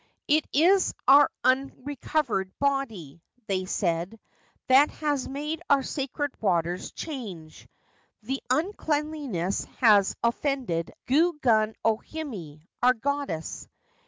' It is his unrecovered body/ they said, ' that has made our sacred waters change. The unclean ness has offended Gu gun O Hime, our goddess.